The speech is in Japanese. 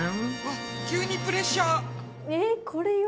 急にプレッシャー。